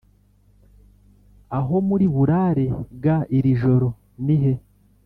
aho muri burare g iri joro nihe